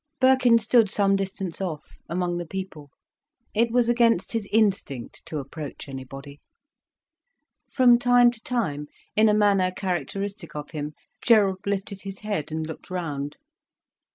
Birkin stood some distance off, among the people. It was against his instinct to approach anybody. From time to time, in a manner characteristic of him, Gerald lifted his head and looked round.